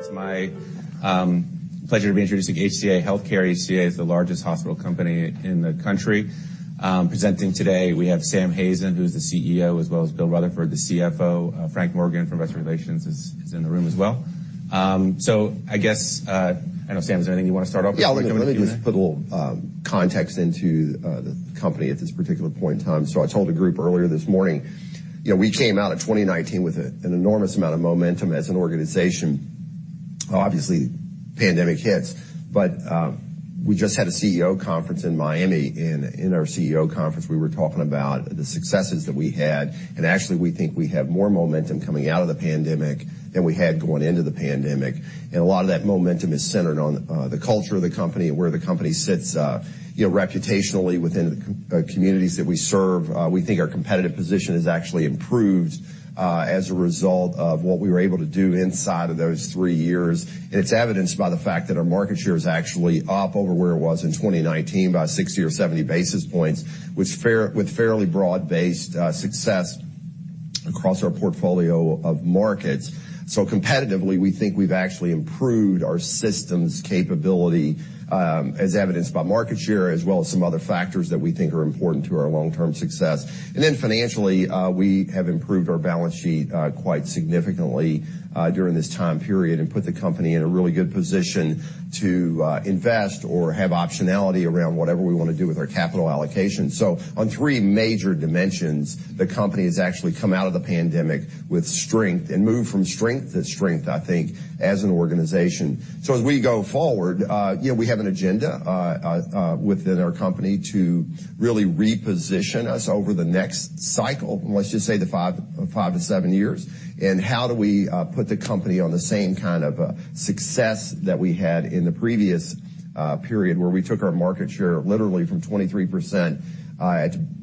It's my pleasure to be introducing HCA Healthcare. HCA is the largest hospital company in the country. Presenting today we have Sam Hazen, who's the CEO, as well as Bill Rutherford, the CFO. Frank Morgan from Investor Relations is in the room as well. I guess, I know, Sam, is there anything you wanna start off with? Yeah. Let me just put a little context into the company at this particular point in time. I told a group earlier this morning, you know, we came out of 2019 with an enormous amount of momentum as an organization. Obviously, pandemic hits. We just had a CEO conference in Miami, and in our CEO conference, we were talking about the successes that we had. Actually, we think we have more momentum coming out of the pandemic than we had going into the pandemic. A lot of that momentum is centered on the culture of the company and where the company sits, you know, reputationally within the communities that we serve. We think our competitive position has actually improved as a result of what we were able to do inside of those three years. It's evidenced by the fact that our market share is actually up over where it was in 2019 by 60 or 70 basis points, with fairly broad-based success across our portfolio of markets. Competitively, we think we've actually improved our systems capability, as evidenced by market share, as well as some other factors that we think are important to our long-term success. Financially, we have improved our balance sheet, quite significantly, during this time period and put the company in a really good position to invest or have optionality around whatever we wanna do with our capital allocation. On three major dimensions, the company has actually come out of the pandemic with strength and moved from strength to strength, I think, as an organization. As we go forward, you know, we have an agenda within our company to really reposition us over the next cycle, let's just say the five to seven years, how do we put the company on the same kind of success that we had in the previous period, where we took our market share literally from 23%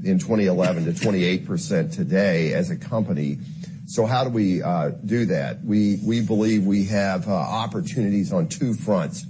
in 2011 to 28% today as a company. How do we do that? We believe we have opportunities on two fronts.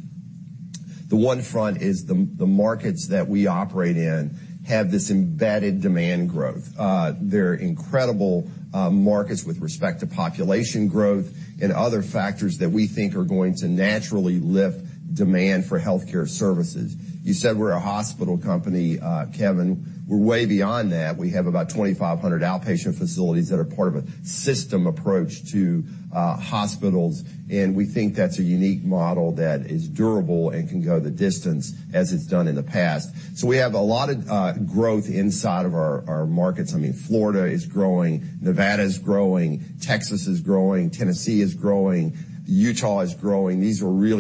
The one front is the markets that we operate in have this embedded demand growth. They're incredible markets with respect to population growth and other factors that we think are going to naturally lift demand for healthcare services. You said we're a hospital company, Kevin. We're way beyond that. We have about 2,500 outpatient facilities that are part of a system approach to hospitals, and we think that's a unique model that is durable and can go the distance as it's done in the past. We have a lot of growth inside of our markets. I mean, Florida is growing, Nevada is growing, Texas is growing, Tennessee is growing, Utah is growing.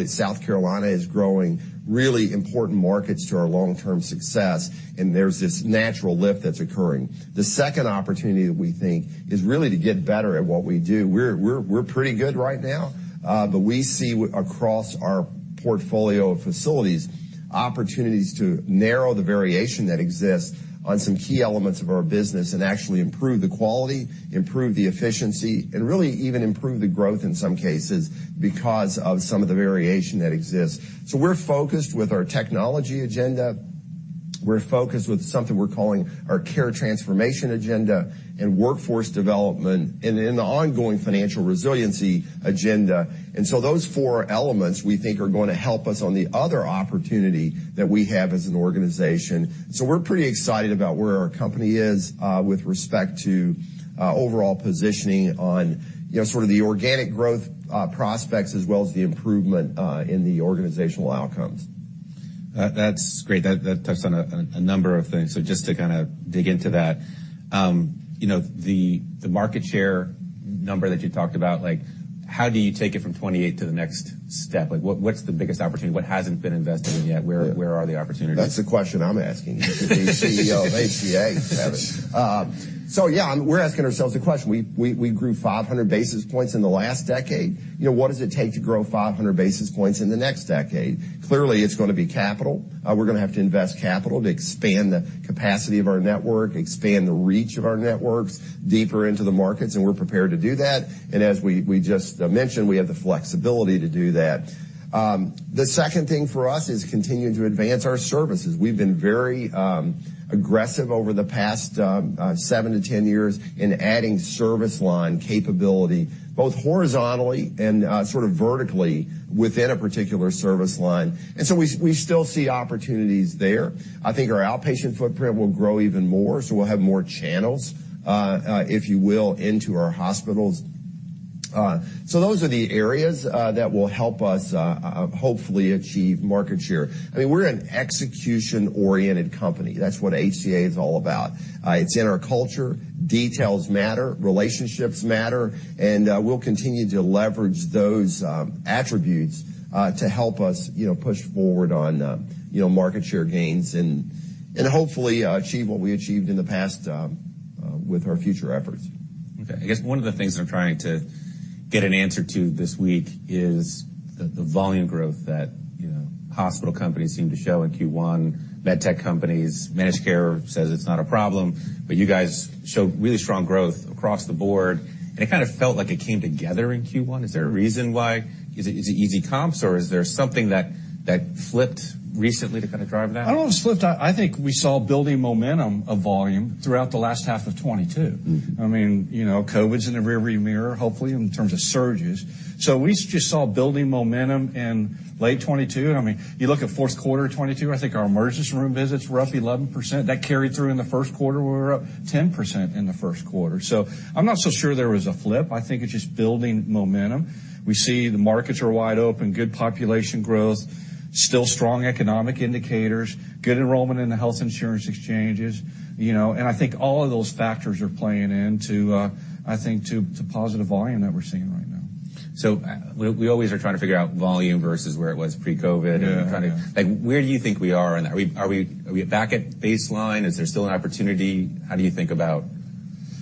South Carolina is growing, really important markets to our long-term success, and there's this natural lift that's occurring. The second opportunity that we think is really to get better at what we do. We're pretty good right now, but we see across our portfolio of facilities, opportunities to narrow the variation that exists on some key elements of our business and actually improve the quality, improve the efficiency, and really even improve the growth in some cases because of some of the variation that exists. We're focused with our technology agenda, we're focused with something we're calling our Care Transformation agenda and Workforce Development and then the ongoing Financial Resiliency agenda. Those four elements we think are gonna help us on the other opportunity that we have as an organization. We're pretty excited about where our company is with respect to overall positioning on, you know, sort of the organic growth prospects as well as the improvement in the organizational outcomes. That's great. That touched on a number of things. Just to kinda dig into that, you know, the market share number that you talked about, like how do you take it from 28 to the next step? Like what's the biggest opportunity? What hasn't been invested in yet? Where are the opportunities? That's the question I'm asking as the CEO of HCA, Kevin. Yeah, we're asking ourselves the question. We grew 500 basis points in the last decade. You know, what does it take to grow 500 basis points in the next decade? Clearly, it's gonna be capital. We're gonna have to invest capital to expand the capacity of our network, expand the reach of our networks deeper into the markets, and we're prepared to do that. As we just mentioned, we have the flexibility to do that. The second thing for us is continuing to advance our services. We've been very aggressive over the past 7-10 years in adding service line capability, both horizontally and sort of vertically within a particular service line. We still see opportunities there. I think our outpatient footprint will grow even more, so we'll have more channels, if you will, into our hospitals. Those are the areas that will help us hopefully achieve market share. I mean, we're an execution-oriented company. That's what HCA is all about. It's in our culture. Details matter, relationships matter, and we'll continue to leverage those attributes to help us, you know, push forward on, you know, market share gains and hopefully, achieve what we achieved in the past with our future efforts. Okay. I guess one of the things I'm trying to get an answer to this week is the volume growth that, you know, hospital companies seem to show in Q1. MedTech companies, Managed Care says it's not a problem, but you guys show really strong growth across the board, and it kinda felt like it came together in Q1. Is there a reason why? Is it easy comps, or is there something that flipped recently to kind of drive that? I don't know if it flipped. I think we saw building momentum of volume throughout the last half of 2022. I mean, you know, COVID's in the rear-view mirror, hopefully, in terms of surges. We just saw building momentum in late 2022. I mean, you look at fourth quarter 2022, I think our emergency room visits were up 11%. That carried through in the first quarter, where we were up 10% in the first quarter. I'm not so sure there was a flip. I think it's just building momentum. We see the markets are wide open, good population growth, still strong economic indicators, good enrollment in the health insurance exchanges, you know. I think all of those factors are playing into, I think to positive volume that we're seeing right now. We always are trying to figure out volume versus where it was pre-COVID. Yeah. and kind of like, where do you think we are in that? Are we back at baseline? Is there still an opportunity? How do you think about volume?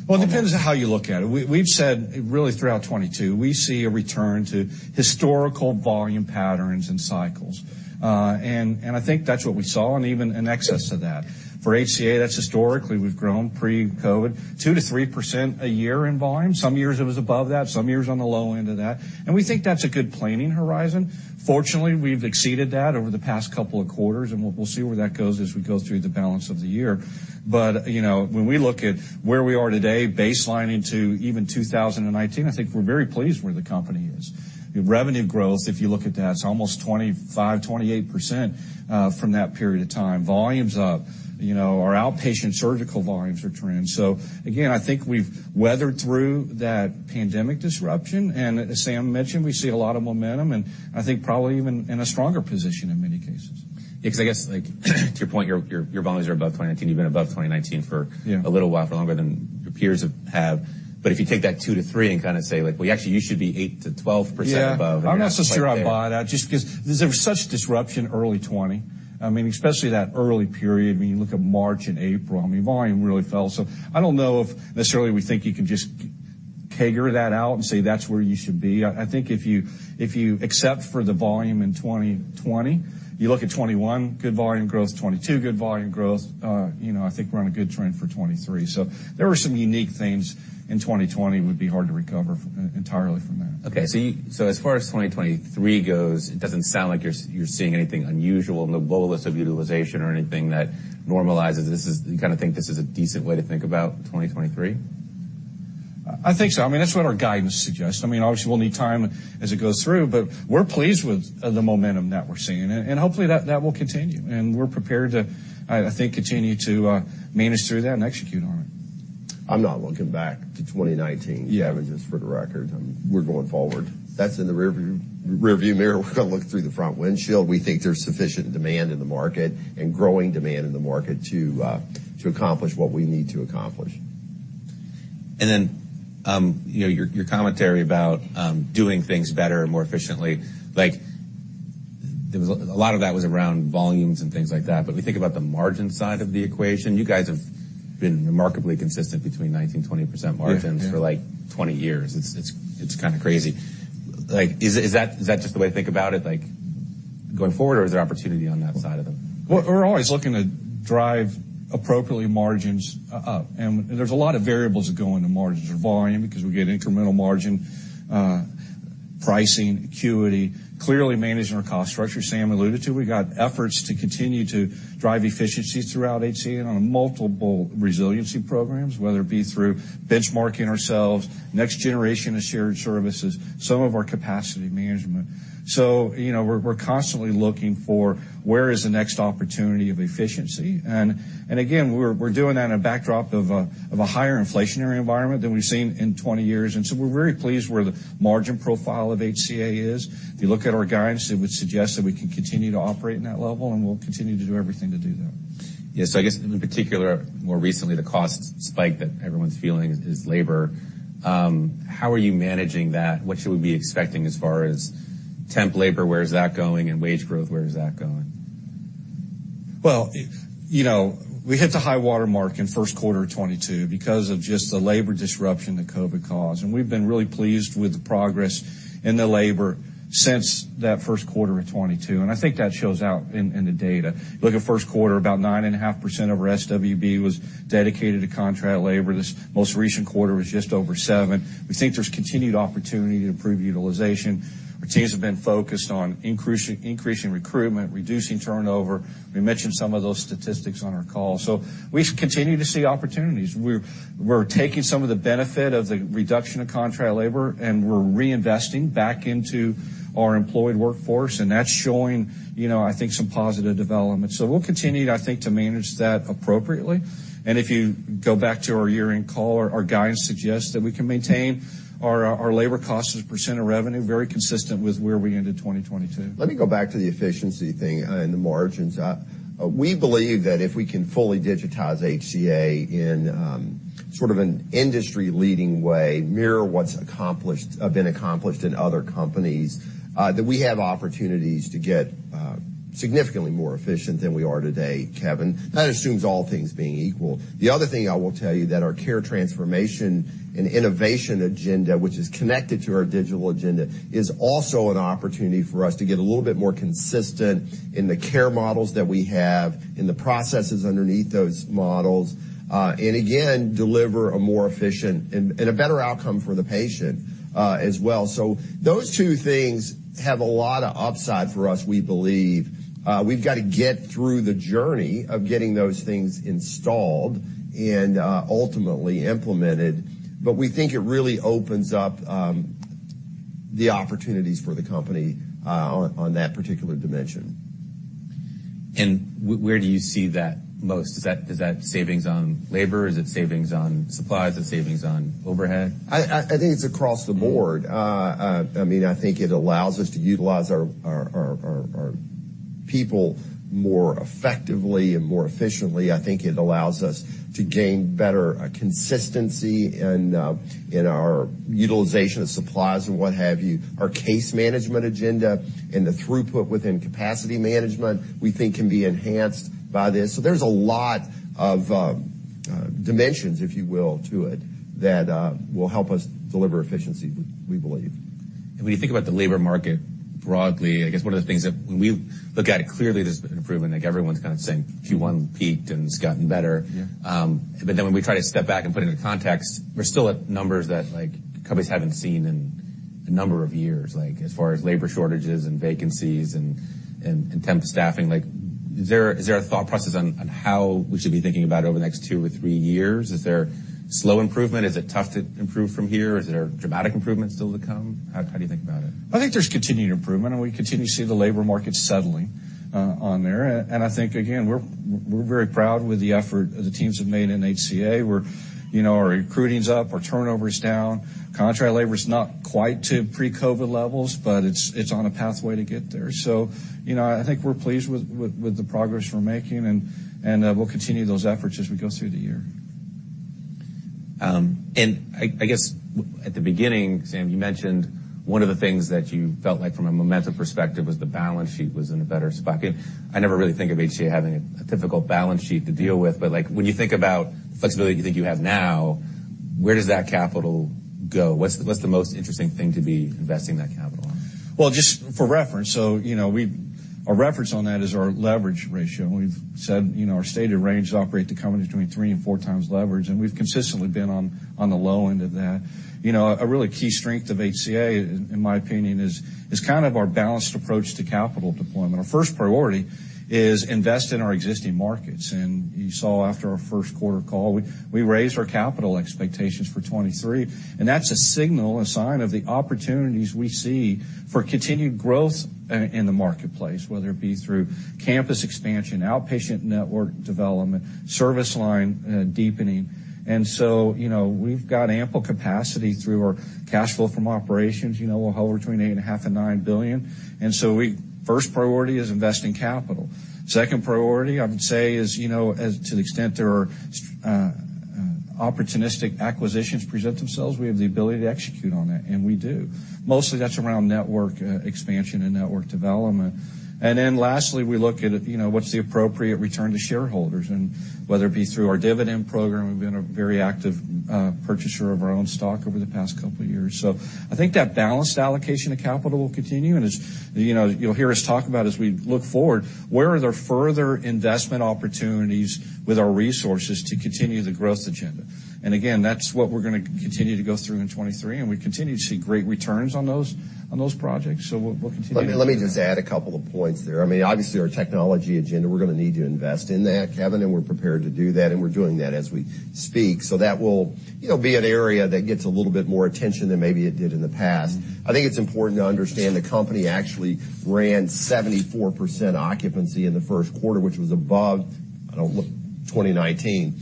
Well, it depends on how you look at it. We've said really throughout 2022, we see a return to historical volume patterns and cycles. I think that's what we saw and even in excess of that. For HCA, that's historically we've grown pre-COVID 2%-3% a year in volume. Some years it was above that, some years on the low end of that, we think that's a good planning horizon. Fortunately, we've exceeded that over the past couple of quarters, we'll see where that goes as we go through the balance of the year. You know, when we look at where we are today, baselining to even 2019, I think we're very pleased where the company is. Revenue growth, if you look at that, it's almost 25%-28% from that period of time. Volume's up. You know, our outpatient surgical volumes are trending. Again, I think we've weathered through that pandemic disruption, and as Sam mentioned, we see a lot of momentum, and I think probably even in a stronger position in many cases. Yeah, 'cause I guess, like to your point, your volumes are above 2019. You've been above 2019. Yeah A little while longer than your peers have had. If you take that two to three and kinda say like, "Well, actually, you should be 8%-12% above. Yeah. You're actually right there. I'm not so sure I'd buy that just because there was such disruption early 2020. I mean, especially that early period when you look at March and April, I mean, volume really fell. I don't know if necessarily we think you can just CAGR that out and say that's where you should be. I think if you accept for the volume in 2020, you look at 2021, good volume growth, 2022, good volume growth, you know, I think we're on a good trend for 2023. There were some unique things in 2020 it would be hard to recover entirely from that. Okay. So as far as 2023 goes, it doesn't sound like you're seeing anything unusual in the boldness of utilization or anything that normalizes. This is. You kinda think this is a decent way to think about 2023? I think so. I mean, that's what our guidance suggests. I mean, obviously we'll need time as it goes through, but we're pleased with the momentum that we're seeing. Hopefully that will continue, and we're prepared to, I think, continue to manage through that and execute on it. I'm not looking back to 2019. Yeah. I mean, just for the record, we're going forward. That's in the rear view mirror. We're gonna look through the front windshield. We think there's sufficient demand in the market and growing demand in the market to accomplish what we need to accomplish. Then, you know, your commentary about doing things better and more efficiently. Like, A lot of that was around volumes and things like that. We think about the margin side of the equation. You guys have been remarkably consistent between 19%-20% margins for like 20 years. It's kinda crazy. Like, is that just the way to think about it, like, going forward, or is there opportunity on that side of? We're always looking to drive appropriately margins up, there's a lot of variables that go into margins or volume because we get incremental margin, pricing, acuity. Clearly managing our cost structure, Sam alluded to. We've got efforts to continue to drive efficiencies throughout HCA on multiple resiliency programs, whether it be through benchmarking ourselves, next generation of shared services, some of our capacity management. You know, we're constantly looking for where is the next opportunity of efficiency. Again, we're doing that in a backdrop of a higher inflationary environment than we've seen in 20 years. We're very pleased where the margin profile of HCA is. If you look at our guidance, it would suggest that we can continue to operate in that level, and we'll continue to do everything to do that. Yeah. I guess in particular, more recently, the cost spike that everyone's feeling is labor. How are you managing that? What should we be expecting as far as temp labor, where is that going? Wage growth, where is that going? You know, we hit the high-water mark in first quarter of 2022 because of just the labor disruption that COVID caused, and we've been really pleased with the progress in the labor since that first quarter of 2022, and I think that shows out in the data. If you look at first quarter, about 9.5% of our SWB was dedicated to contract labor. This most recent quarter was just over 7%. We think there's continued opportunity to improve utilization. Our teams have been focused on increasing recruitment, reducing turnover. We mentioned some of those statistics on our call. We continue to see opportunities. We're taking some of the benefit of the reduction of contract labor, and we're reinvesting back into our employed workforce, and that's showing, you know, I think, some positive developments. We'll continue, I think, to manage that appropriately. If you go back to our year-end call, our guidance suggests that we can maintain our labor cost as a % of revenue, very consistent with where we ended 2022. Let me go back to the efficiency thing, and the margins. We believe that if we can fully digitize HCA in, sort of an industry-leading way, mirror what's accomplished, been accomplished in other companies, that we have opportunities to get. Significantly more efficient than we are today, Kevin. That assumes all things being equal. The other thing I will tell you that our care transformation and innovation agenda, which is connected to our digital agenda, is also an opportunity for us to get a little bit more consistent in the care models that we have, in the processes underneath those models, and again, deliver a more efficient and a better outcome for the patient as well. Those two things have a lot of upside for us, we believe. We've got to get through the journey of getting those things installed and ultimately implemented. We think it really opens up the opportunities for the company on that particular dimension. Where do you see that most? Is that savings on labor? Is it savings on supplies? Is it savings on overhead? I think it's across the board. I mean, I think it allows us to utilize our people more effectively and more efficiently. I think it allows us to gain better consistency in our utilization of supplies and what have you. Our case management agenda and the throughput within capacity management, we think can be enhanced by this. There's a lot of dimensions, if you will, to it that will help us deliver efficiency, we believe. When you think about the labor market broadly, I guess one of the things that when we look at it, clearly there's been improvement. Like, everyone's kind of saying Q1 peaked, and it's gotten better. Yeah. When we try to step back and put it into context, we're still at numbers that, like, companies haven't seen in a number of years, like, as far as labor shortages and vacancies and temp staffing. Like, is there a thought process on how we should be thinking about it over the next two or three years? Is there slow improvement? Is it tough to improve from here? Is there dramatic improvement still to come? How do you think about it? I think there's continued improvement, and we continue to see the labor market settling on there. I think, again, we're very proud with the effort the teams have made in HCA. We're, you know, our recruiting's up, our turnover is down. Contract labor is not quite to pre-COVID levels, but it's on a pathway to get there. You know, I think we're pleased with the progress we're making, and we'll continue those efforts as we go through the year. I guess at the beginning, Sam, you mentioned one of the things that you felt like from a momentum perspective was the balance sheet was in a better spot. I never really think of HCA having a difficult balance sheet to deal with, but, like, when you think about flexibility you think you have now, where does that capital go? What's the most interesting thing to be investing that capital on? Well, just for reference, you know, our reference on that is our leverage ratio. We've said, you know, our stated range to operate the company is between 3 and 4 times leverage, we've consistently been on the low end of that. You know, a really key strength of HCA, in my opinion, is kind of our balanced approach to capital deployment. Our first priority is invest in our existing markets. You saw after our first quarter call, we raised our capital expectations for 2023, that's a signal, a sign of the opportunities we see for continued growth in the marketplace, whether it be through campus expansion, outpatient network development, service line deepening. You know, we've got ample capacity through our cash flow from operations. You know, we'll hold between $8.5 billion-$9 billion. First priority is investing capital. Second priority, I would say is, you know, as to the extent there are opportunistic acquisitions present themselves, we have the ability to execute on that, and we do. Mostly that's around network expansion and network development. Lastly, we look at, you know, what's the appropriate return to shareholders? Whether it be through our dividend program, we've been a very active purchaser of our own stock over the past couple of years. I think that balanced allocation of capital will continue. You'll hear us talk about as we look forward, where are there further investment opportunities with our resources to continue the growth agenda? That's what we're gonna continue to go through in 2023, and we continue to see great returns on those, on those projects. We'll continue to do that. Let me just add a couple of points there. I mean, obviously, our technology agenda, we're gonna need to invest in that, Kevin, and we're prepared to do that, and we're doing that as we speak. That will, you know, be an area that gets a little bit more attention than maybe it did in the past. I think it's important to understand the company actually ran 74% occupancy in the first quarter, which was above, I don't look, 2019.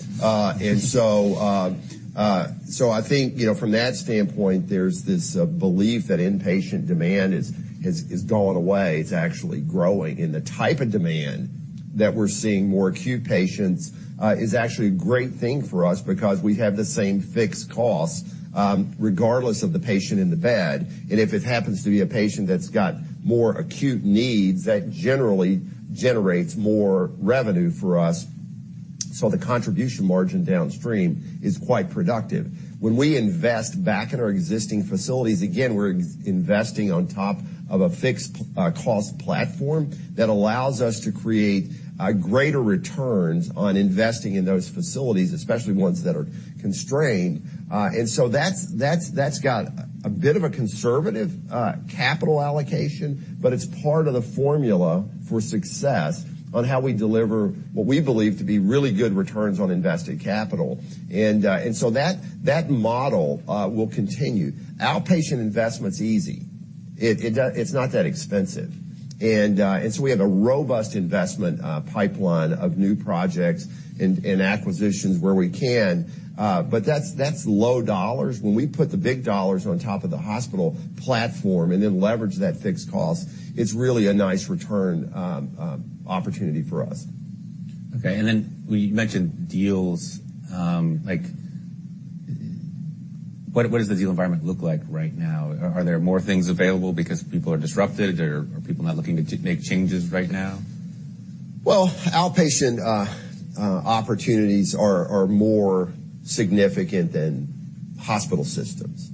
I think, you know, from that standpoint, there's this belief that inpatient demand is going away. It's actually growing. The type of demand that we're seeing, more acute patients, is actually a great thing for us because we have the same fixed costs, regardless of the patient in the bed. If it happens to be a patient that's got more acute needs, that generally generates more revenue for us. The contribution margin downstream is quite productive. When we invest back in our existing facilities, again, we're investing on top of a fixed cost platform that allows us to create greater returns on investing in those facilities, especially ones that are constrained. That's got a bit of a conservative capital allocation, but it's part of the formula for success on how we deliver what we believe to be really good returns on invested capital. That model will continue. Outpatient investment's easy. It's not that expensive. We have a robust investment pipeline of new projects and acquisitions where we can. That's low dollars. When we put the big dollars on top of the hospital platform and then leverage that fixed cost, it's really a nice return opportunity for us. Okay. you mentioned deals, What does the deal environment look like right now? Are there more things available because people are disrupted, or are people not looking to make changes right now? Well, outpatient opportunities are more significant than hospital systems.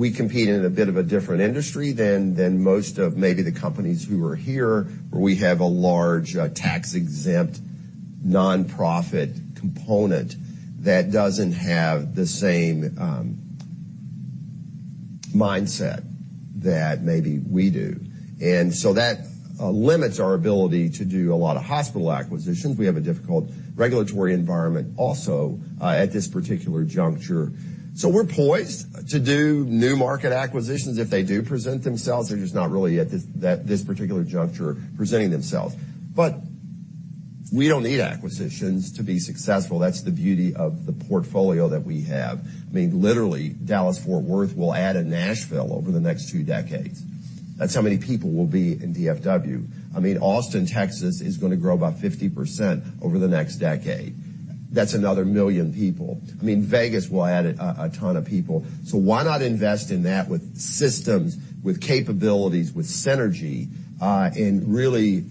We compete in a bit of a different industry than most of maybe the companies who are here, where we have a large, tax-exempt, nonprofit component that doesn't have the same mindset that maybe we do. That limits our ability to do a lot of hospital acquisitions. We have a difficult regulatory environment also at this particular juncture. We're poised to do new market acquisitions if they do present themselves. They're just not really at this particular juncture presenting themselves. We don't need acquisitions to be successful. That's the beauty of the portfolio that we have. I mean, literally, Dallas-Fort Worth will add a Nashville over the next two decades. That's how many people will be in DFW. I mean, Austin, Texas, is gonna grow by 50% over the next decade. That's another million people. I mean, Vegas will add a ton of people. Why not invest in that with systems, with capabilities, with synergy, and really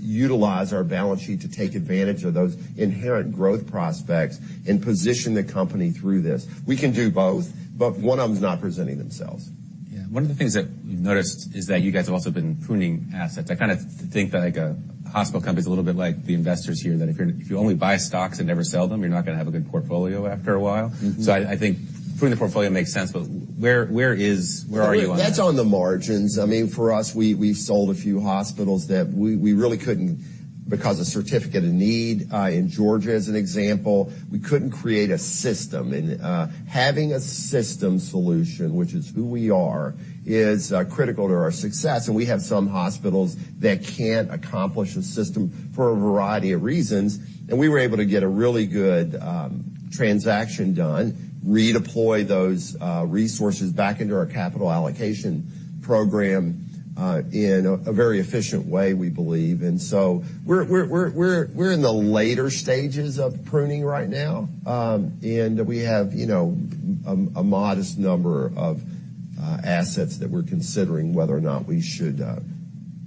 utilize our balance sheet to take advantage of those inherent growth prospects and position the company through this. We can do both, but one of them is not presenting themselves. Yeah. One of the things that we've noticed is that you guys have also been pruning assets. I kinda think that, like, a hospital company is a little bit like the investors here, that if you only buy stocks and never sell them, you're not gonna have a good portfolio after a while. I think pruning the portfolio makes sense, but where are you on that? That's on the margins. For us, we've sold a few hospitals that we really couldn't because a certificate of need in Georgia, as an example, we couldn't create a system. Having a system solution, which is who we are, is critical to our success. We have some hospitals that can't accomplish a system for a variety of reasons. We were able to get a really good transaction done, redeploy those resources back into our capital allocation program in a very efficient way, we believe. We're in the later stages of pruning right now. We have, you know, a modest number of assets that we're considering whether or not we should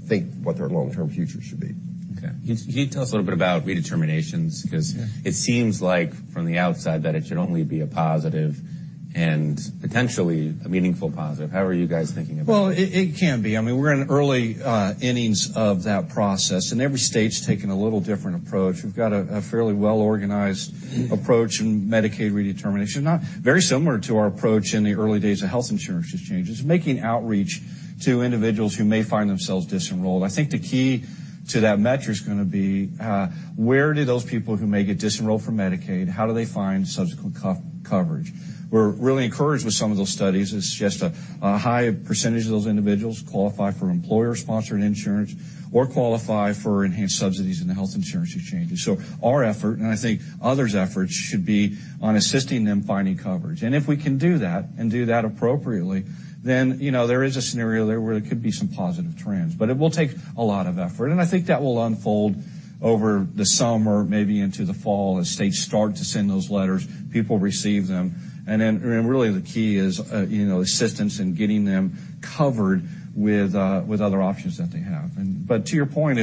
think what their long-term future should be. Okay. Can you tell us a little bit about redeterminations? Because... Yeah. It seems like from the outside that it should only be a positive and potentially a meaningful positive. How are you guys thinking about it? Well, it can be. I mean, we're in early innings of that process, and every state's taking a little different approach. We've got a fairly well-organized approach in Medicaid redetermination. Very similar to our approach in the early days of health insurance exchanges, making outreach to individuals who may find themselves disenrolled. I think the key to that metric is gonna be, where do those people who may get disenrolled from Medicaid, how do they find subsequent coverage? We're really encouraged with some of those studies. It suggests a high percentage of those individuals qualify for employer-sponsored insurance or qualify for enhanced subsidies in the health insurance exchanges. Our effort, and I think others' efforts, should be on assisting them finding coverage. If we can do that and do that appropriately, then, you know, there is a scenario there where there could be some positive trends. It will take a lot of effort, and I think that will unfold over the summer, maybe into the fall, as states start to send those letters, people receive them. Then, really the key is, you know, assistance in getting them covered with other options that they have. To your point,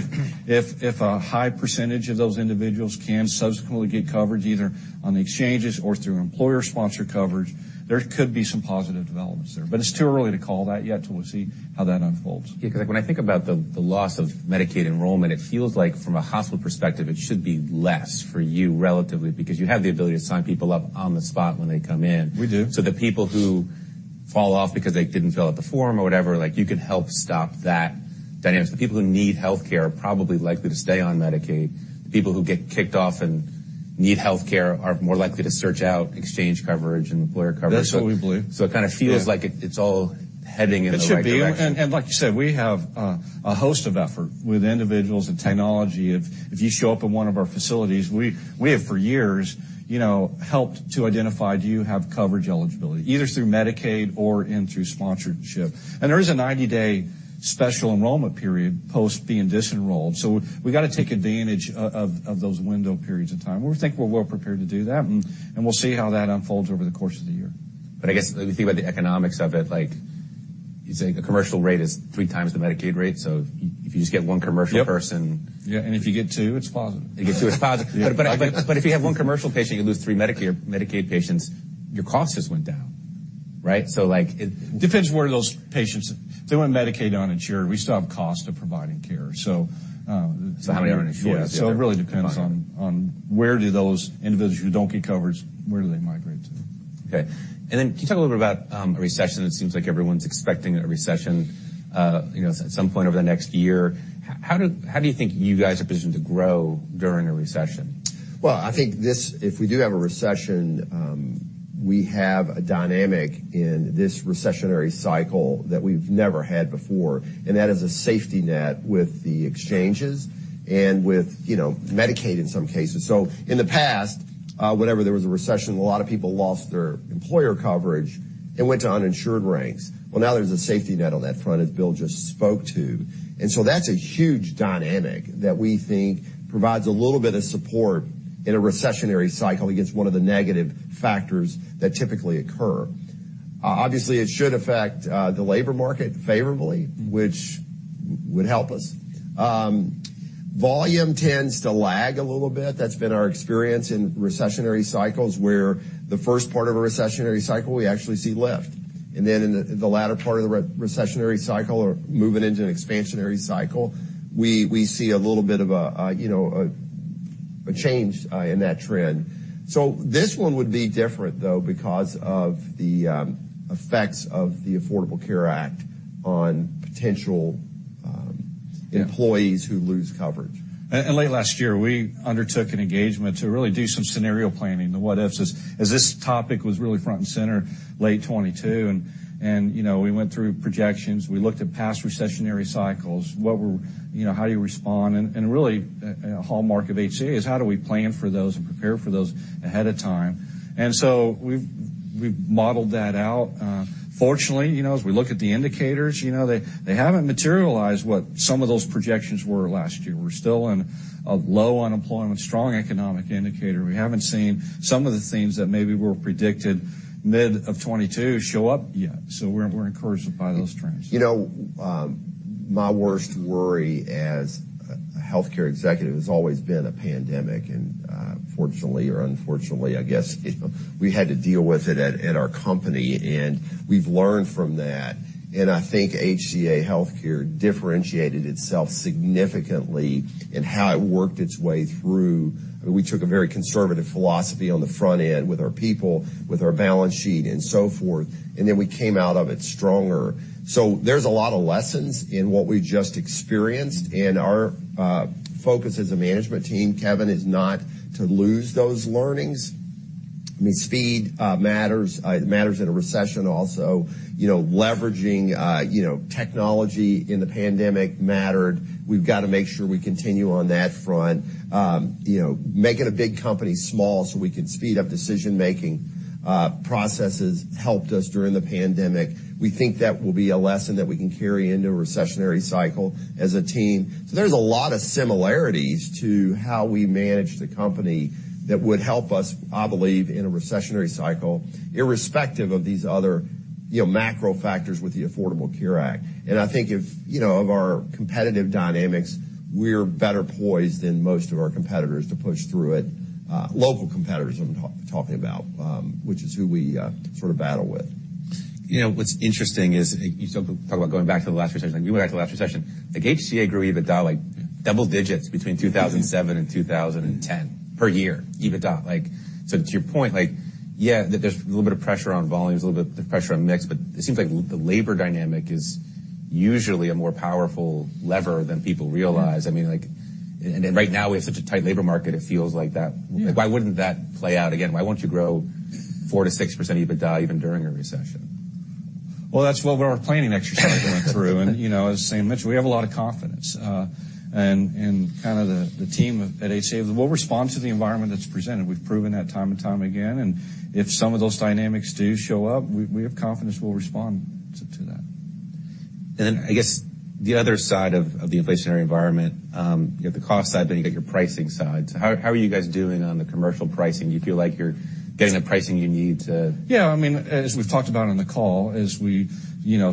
if a high percentage of those individuals can subsequently get coverage, either on the exchanges or through employer-sponsored coverage, there could be some positive developments there. It's too early to call that yet till we see how that unfolds. Yeah. When I think about the loss of Medicaid enrollment, it feels like from a hospital perspective, it should be less for you relatively because you have the ability to sign people up on the spot when they come in. We do. The people who fall off because they didn't fill out the form or whatever, like, you can help stop that dynamic. People who need healthcare are probably likely to stay on Medicaid. People who get kicked off and need healthcare are more likely to search out exchange coverage and employer coverage. That's what we believe. It kinda feels. Yeah. like it's all heading in the right direction. It should be. Like you said, we have a host of effort with individuals and technology. If you show up in one of our facilities, we have for years, you know, helped to identify, do you have coverage eligibility, either through Medicaid or in through sponsorship. There is a 90-day Special Enrollment Period post being disenrolled, so we gotta take advantage of those window periods of time. We think we're well prepared to do that, we'll see how that unfolds over the course of the year. I guess if you think about the economics of it, like, you'd say the commercial rate is 3 times the Medicaid rate, so if you just get 1 commercial person... Yep. Yeah, if you get two, it's positive. You get 2, it's positive. If you have 1 commercial patient, you lose three Medicaid patients, your cost just went down, right? Like, it. Depends where those patients... If they were Medicaid or uninsured, we still have cost of providing care. How many are insured is the other- Yeah. It really depends on where do those individuals who don't get coverage, where do they migrate to? Okay. Can you talk a little bit about a recession? It seems like everyone's expecting a recession, you know, at some point over the next year. How do you think you guys are positioned to grow during a recession? Well, I think this, if we do have a recession, we have a dynamic in this recessionary cycle that we've never had before, and that is a safety net with the exchanges and with, you know, Medicaid in some cases. In the past, whenever there was a recession, a lot of people lost their employer coverage and went to uninsured ranks. Well, now there's a safety net on that front, as Bill just spoke to. That's a huge dynamic that we think provides a little bit of support in a recessionary cycle against one of the negative factors that typically occur. Obviously, it should affect the labor market favorably, which would help us. Volume tends to lag a little bit. That's been our experience in recessionary cycles, where the first part of a recessionary cycle, we actually see lift. In the latter part of the re-recessionary cycle or moving into an expansionary cycle, we see a little bit of a, you know, a change in that trend. This one would be different though because of the effects of the Affordable Care Act on potential. Yeah. employees who lose coverage. Late last year, we undertook an engagement to really do some scenario planning, the what-ifs, as this topic was really front and center late 2022. You know, we went through projections. We looked at past recessionary cycles. You know, how do you respond? Really, a hallmark of HCA is how do we plan for those and prepare for those ahead of time? We've modeled that out. Fortunately, you know, as we look at the indicators, you know, they haven't materialized what some of those projections were last year. We're still in a low unemployment, strong economic indicator. We haven't seen some of the themes that maybe were predicted mid of 2022 show up yet. We're encouraged by those trends. You know, my worst worry as a healthcare executive has always been a pandemic. Fortunately or unfortunately, I guess, we had to deal with it at our company, and we've learned from that. I think HCA Healthcare differentiated itself significantly in how it worked its way through. We took a very conservative philosophy on the front end with our people, with our balance sheet, and so forth, and then we came out of it stronger. There's a lot of lessons in what we just experienced, and our focus as a management team, Kevin, is not to lose those learnings. I mean, speed matters. It matters in a recession also. You know, leveraging, you know, technology in the pandemic mattered. We've gotta make sure we continue on that front. you know, making a big company small so we can speed up decision-making, processes helped us during the pandemic. We think that will be a lesson that we can carry into a recessionary cycle as a team. There's a lot of similarities to how we manage the company that would help us, I believe, in a recessionary cycle, irrespective of these other, you know, macro factors with the Affordable Care Act. I think if, you know, of our competitive dynamics, we're better poised than most of our competitors to push through it, local competitors I'm talking about, which is who we sort of battle with. You know, what's interesting is you talk about going back to the last recession. You went back to the last recession. HCA grew EBITDA, like, double digits between 2007 and 2010 per year, EBITDA. To your point, like, yeah, there's a little bit of pressure on volumes, a little bit of pressure on mix, but it seems like the labor dynamic is usually a more powerful lever than people realize. I mean, like, right now, we have such a tight labor market, it feels like that. Yeah. Why wouldn't that play out again? Why won't you grow 4%-6% EBITDA even during a recession? Well, that's what our planning exercise went through. you know, as I was saying, Mitch, we have a lot of confidence. and kind of the team at HCA, we'll respond to the environment that's presented. We've proven that time and time again. if some of those dynamics do show up, we have confidence we'll respond to that. I guess the other side of the inflationary environment, you have the cost side, then you got your pricing side. How are you guys doing on the commercial pricing? Do you feel like you're getting the pricing you need to? I mean, as we've talked about on the call, as we, you know,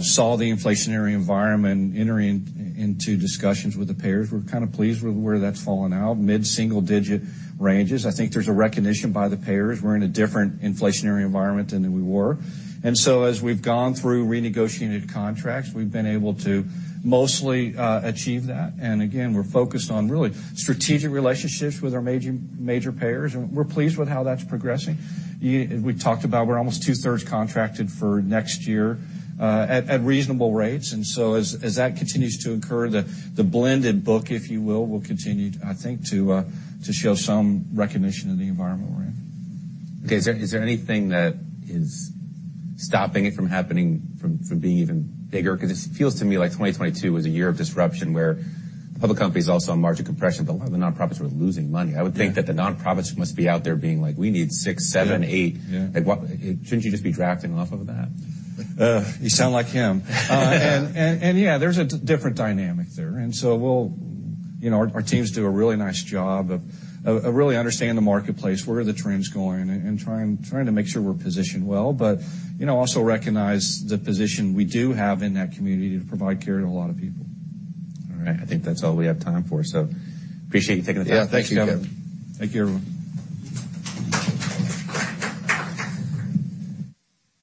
saw the inflationary environment entering into discussions with the payers, we're kind of pleased with where that's fallen out, mid-single digit ranges. I think there's a recognition by the payers we're in a different inflationary environment than we were. As we've gone through renegotiated contracts, we've been able to mostly achieve that. Again, we're focused on really strategic relationships with our major payers, and we're pleased with how that's progressing. We talked about we're almost two-thirds contracted for next year, at reasonable rates. So as that continues to occur, the blended book, if you will continue, I think, to show some recognition in the environment we're in. Okay. Is there anything that is stopping it from happening, from being even bigger? It feels to me like 2022 was a year of disruption, where public companies also on margin compression, but a lot of the nonprofits were losing money. I would think that the nonprofits must be out there being like, "We need six, seven, eight. Yeah. Like, Shouldn't you just be drafting off of that? You sound like him. Yeah, there's a different dynamic there. We'll... You know, our teams do a really nice job of really understanding the marketplace, where are the trends going, and trying to make sure we're positioned well. You know, also recognize the position we do have in that community to provide care to a lot of people. All right. I think that's all we have time for. Appreciate you taking the time. Yeah. Thank you, Kevin. Thank you, everyone.